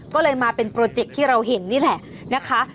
ก็เลยมาเป็นโปรเจคที่เราเห็นนี่แหละนะคะ